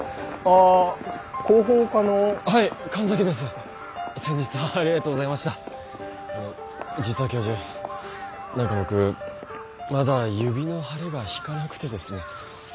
あの実は教授何か僕まだ指の腫れが引かなくてですね。